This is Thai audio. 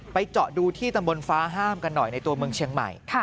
เจาะดูที่ตำบลฟ้าห้ามกันหน่อยในตัวเมืองเชียงใหม่